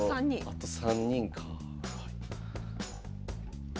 あと３人か。